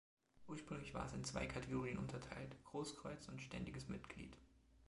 Ursprünglich war es in zwei Kategorien unterteilt: „Großkreuz“ und „ständiges Mitglied“.